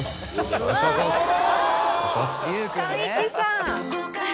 よろしくお願いします。